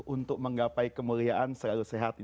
untuk menggapai kemuliaan selalu sehat